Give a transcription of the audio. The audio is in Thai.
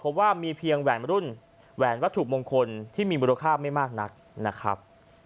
เพราะว่ามีเพียงแหวนรุ่นแหวนวัตถุมงคลที่มีมูลค่าไม่มากนักนะครับ